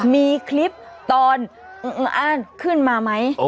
มีคลิปตอนขึ้นมาไหม